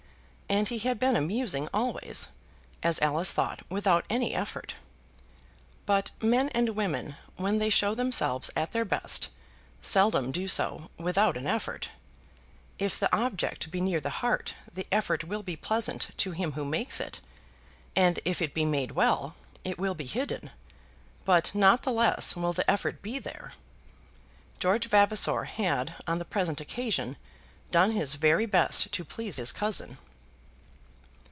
And he had been amusing always, as Alice thought without any effort. But men and women, when they show themselves at their best, seldom do so without an effort. If the object be near the heart the effort will be pleasant to him who makes it, and if it be made well, it will be hidden; but, not the less, will the effort be there. George Vavasor had on the present occasion done his very best to please his cousin.